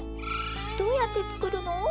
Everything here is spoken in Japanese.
どうやって造るの？